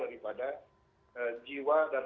daripada jiwa dan